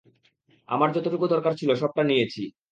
আমার যতটুকু দরকার ছিলো সবটা নিয়েছি।